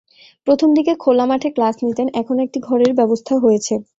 প্রথম দিকে খোলা মাঠে ক্লাস নিতেন এখন একটি ঘরের ব্যবস্থা হয়েছে।